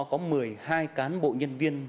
có một mươi hai cán bộ nhân viên